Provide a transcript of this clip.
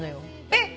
えっ！